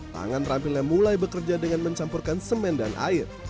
tangan rampilnya mulai bekerja dengan mencampurkan semen dan air